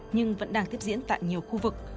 nhưng vẫn đang tiếp diễn tại nhiều khu vực